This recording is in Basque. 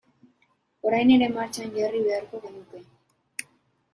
Orain ere martxan jarri beharko genuke.